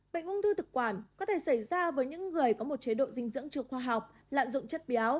bệnh ung thư thực quản có thể xảy ra với những người có một chế độ dinh dưỡng chưa khoa học lạm dụng chất béo